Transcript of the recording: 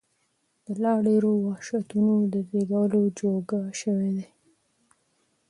د لا ډېرو وحشتونو د زېږولو جوګه شوي دي.